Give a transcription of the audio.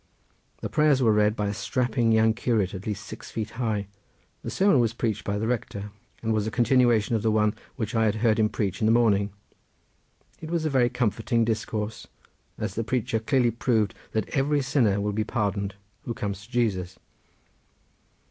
The prayers were read by a strapping young curate at least six feet high. The sermon was preached by the rector, and was a continuation of the one which I had heard him preach in the morning. It was a very comforting discourse, as the preacher clearly proved that every sinner will be pardoned who comes to Jesus.